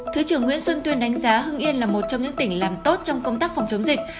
thứ trưởng nguyễn xuân tuyên đánh giá hưng yên là một trong những tỉnh làm tốt trong công tác phòng chống dịch